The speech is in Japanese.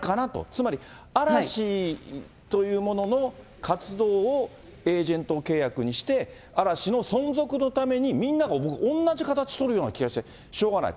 つまり嵐というものの活動をエージェント契約にして、嵐の存続のために、みんなが僕同じ形を取る気がしてしょうがない。